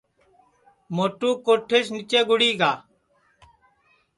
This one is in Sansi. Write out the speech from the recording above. موٹو کوٹھیس نیچے گُڑی گا